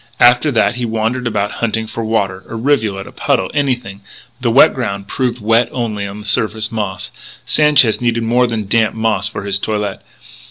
After that he wandered about hunting for water a rivulet, a puddle, anything. But the wet ground proved wet only on the surface moss. Sanchez needed more than damp moss for his toilet.